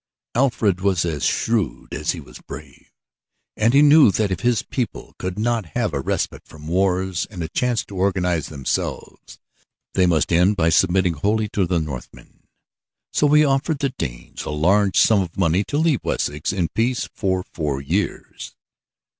Alfred was as shrewd as he was brave, and he knew that if his people could not have a respite from wars and a chance to organize themselves, they must end by submitting wholly to the Northmen, so he offered the Danes a large sum of money to leave Wessex in peace for four years.